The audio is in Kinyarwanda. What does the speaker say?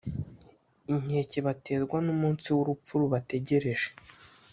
inkeke baterwa n’umunsi w’urupfu rubategereje.